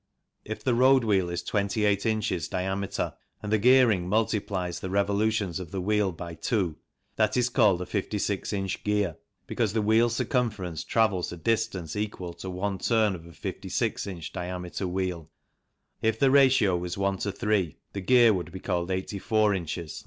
If the road wheel is 28 ins. diameter, and the gearing multiplies the revolutions of the wheel by two, that is called a 56 in. gear because the wheel circumference travels a distance equal to one turn of a 56 in. diameter wheel ; if the ratio was one to three, the gear would be called 84 ins.